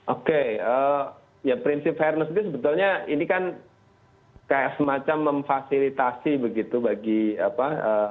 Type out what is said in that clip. oke ya prinsip fairness ini sebetulnya ini kan kayak semacam memfasilitasi begitu bagi apa